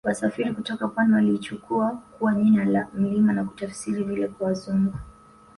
Wafasiri kutoka pwani waliichukua kuwa jina la mlima na kutafsiri vile kwa Wazungu